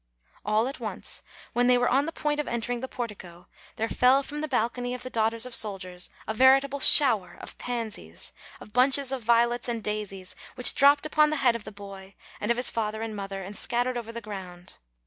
All at once, when they were on the point of entering the portico, there fell from the balcony of the Daughters of Soldiers a veritable shower of pansies, of bunches of violets and daisies, which dropped upon the head of the boy, and of his father and mother, and scattered over the ground.